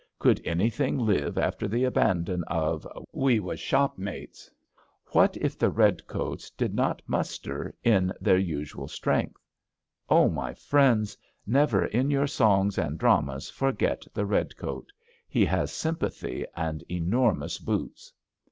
Could anything live after the abandon of We was shopmates "t What if the redcoats did not muster in their usual strength. my friends, never in your songs and dramas forget the redcoat. He has sympathy and enormous boots.